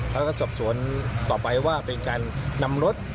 แล้วก็สอบสวนต่อไปว่าเป็นการนำรถ